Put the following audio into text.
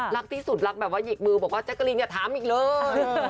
รักที่สุดรักแบบว่าหยิกมือบอกว่าแจ๊กกะลินอย่าถามอีกเลย